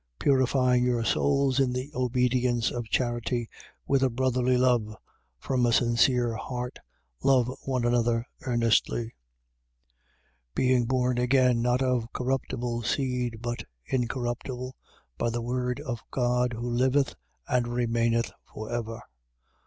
1:22. Purifying your souls in the obedience of charity, with a brotherly love, from a sincere heart love one another earnestly: 1:23. Being born again, not of corruptible seed, but incorruptible, by the word of God who liveth and remaineth for ever.